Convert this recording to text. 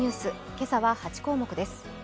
今朝は８項目です。